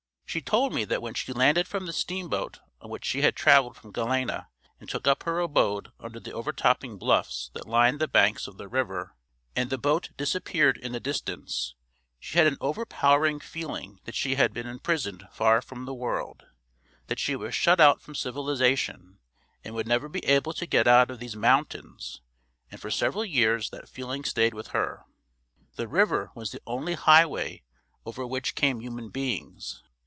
She told me that when she landed from the steamboat on which she had traveled from Galena and took up her abode under the overtopping bluffs that lined the banks of the river and the boat disappeared in the distance, she had an overpowering feeling that she had been imprisoned far from the world, that she was shut out from civilization and would never be able to get out of these "mountains" and for several years that feeling stayed with her. The river was the only highway over which came human beings.